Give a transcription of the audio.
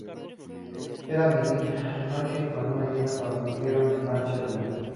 Era medianoche y con luna llena cuando pusieron en marcha el plan.